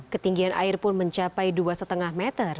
ketinggian air pun mencapai dua lima meter